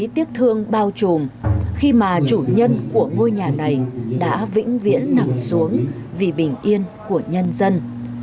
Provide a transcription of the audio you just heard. tiếc thương bao trùm khi mà chủ nhân của ngôi nhà này đã vĩnh viễn nằm xuống vì bình yên của nhân dân